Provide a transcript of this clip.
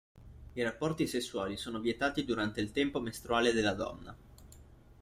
I rapporti sessuali sono vietati durante il tempo mestruale della donna.